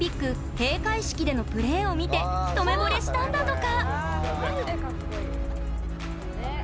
閉会式でのプレーを見て一目ぼれしたんだとか。